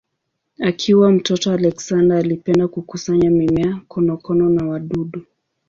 Akiwa mtoto Alexander alipenda kukusanya mimea, konokono na wadudu.